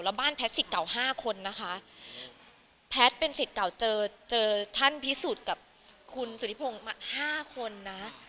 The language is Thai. แล้วบ้านแพทย์สิทธิ์เก่าห้าคนนะคะแพทย์เป็นสิทธิ์เก่าเจอเจอท่านพิสูจน์กับคุณสุธิพงศ์มาห้าคนนะ